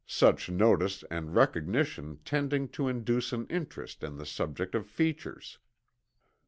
such notice and recognition tending to induce an interest in the subject of features.